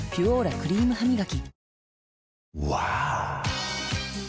クリームハミガキ